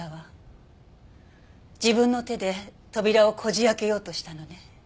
自分の手で扉をこじ開けようとしたのね。